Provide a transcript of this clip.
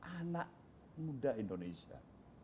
anak muda indonesia